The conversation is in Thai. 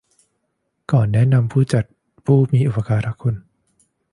ก่อนแนะนำผู้จัดผู้มีอุปการคุณ